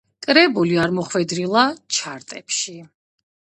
კრებული არ მოხვედრილა ჩარტებში.